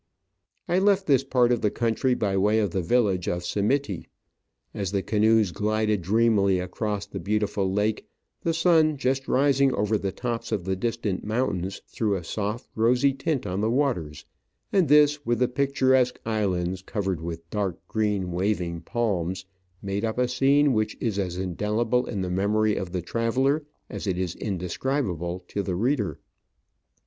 I left this part of the country by way of the village of Simiti. As the canoes glided dreamily across the beautiful lake, the sun, just rising over the tops of the distant mountains, threw a soft rosy tint on the waters, and this, with the picturesque islands covered with dark green waving palms, made up a scene which is as indelible in the memory of the traveller as it is indescribable to the reader.